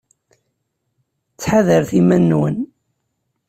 Ttḥadaret iman-nwen.